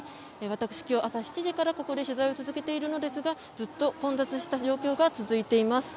私、今日朝７時からここで取材を続けているのですがずっと混雑した状況が続いています。